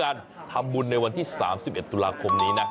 การทำบุญในวันที่๓๑ตุลาคมนี้นะ